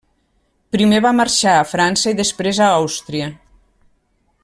Primer va marxar a França i després a Àustria.